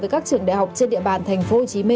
với các trường đại học trên địa bàn tp hcm